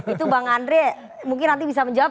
itu bang andre mungkin nanti bisa menjawab